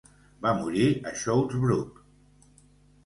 Va morir a Shottesbrooke.